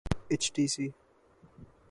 H T C